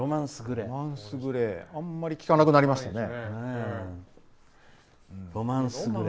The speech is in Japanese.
あんまり聞かなくなりましたね。